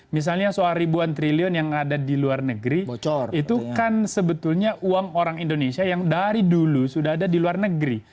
misalnya soal ribuan triliun yang ada di luar negeri itu kan sebetulnya uang orang indonesia yang dari dulu sudah ada di luar negeri